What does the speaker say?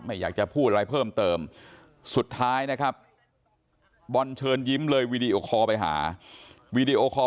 อยากจะพูดอะไรเพิ่มเติมสุดท้ายนะครับบอลเชิญยิ้มเลยวีดีโอคอลไปหาวีดีโอคอล